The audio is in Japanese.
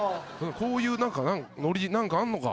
こういうノリ何かあんのか？